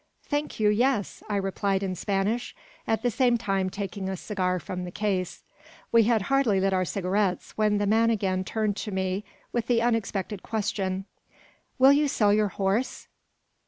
"Thank you, yes," I replied in Spanish, at the same time taking a cigar from the case. We had hardly lit our cigarettes when the man again turned to me with the unexpected question "Will you sell your horse?"